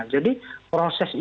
jadi proses itu ya